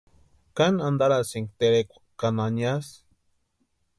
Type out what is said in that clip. ¿Káni antarasïnki terekwa ka naniasï?